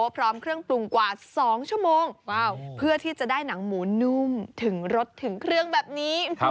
พร้อมเครื่องปรุงกว่า๒ชั่วโมงเพื่อที่จะได้หนังหมูนุ่มถึงรสถึงเครื่องแบบนี้